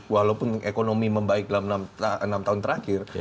walaupun ekonomi membaik dalam enam tahun terakhir